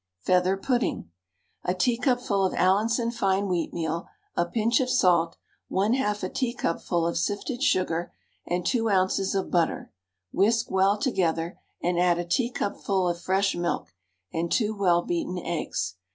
FEATHER PUDDING. A teacupful of Allinson fine wheatmeal, a pinch of salt, 1/2 a teacupful of sifted sugar, and 2 oz. of butter; whisk well together, and add a teacupful of fresh milk, and 2 well beaten eggs.